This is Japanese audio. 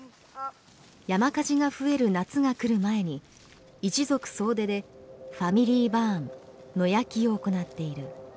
山火事が増える夏が来る前に一族総出でＦａｍｉｌｙＢｕｒｎ野焼きを行っている。